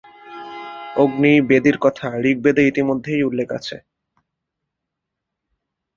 অগ্নি বেদীর কথা ঋগ্বেদে ইতিমধ্যেই উল্লেখ আছে।